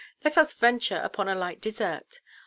Let us venture upon a light dessert.